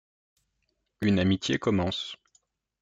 Une amitié commence.